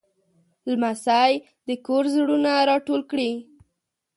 لمسی د کور زړونه راټول کړي.